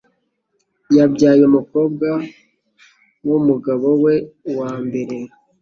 Yabyaye umukobwa wumugabo we wa mbere.